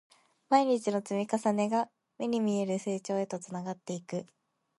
毎日の積み重ねが、目に見える成長へとつながっていく